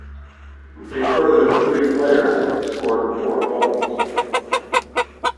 A further three players scored four goals.